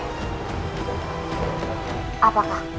tidak akan berish